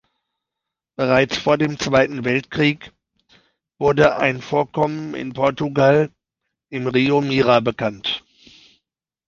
Bereits vor dem Zweiten Weltkrieg wurde ein Vorkommen in Portugal, im Rio Mira, bekannt.